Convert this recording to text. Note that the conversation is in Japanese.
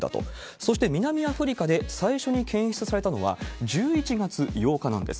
そして南アフリカで最初に検出されたのは１１月８日なんです。